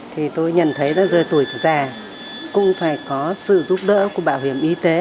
thì tôi nhận thấy từ tuổi già cũng phải có sự giúp đỡ của bảo hiểm y tế